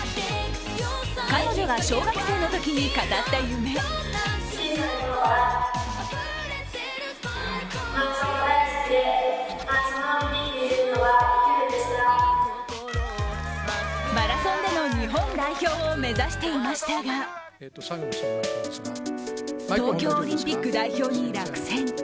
彼女が小学生のときに語った夢マラソンでの日本代表を目指していましたが東京オリンピック代表に落選。